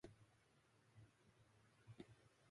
寄せ手の大将の一人、土岐悪五郎